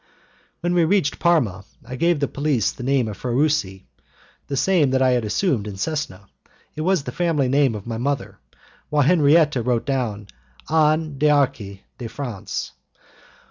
When we reached Parma, I gave the police the name of Farusi, the same that I had assumed in Cesena; it was the family name of my mother; while Henriette wrote down, "Anne D'Arci, from France."